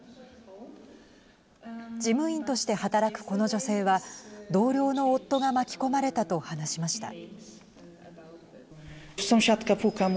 事務員として働く、この女性は同僚の夫が巻き込まれたと話しました。